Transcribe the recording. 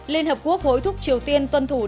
liên hợp quốc hối thúc triều tiên tuân thủ đầy đủ